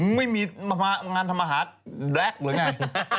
มึงไม่มีงานทรมาหารดแรกหรือไง